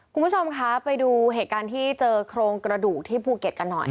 คุณผู้ชมคะไปดูเหตุการณ์ที่เจอโครงกระดูกที่ภูเก็ตกันหน่อย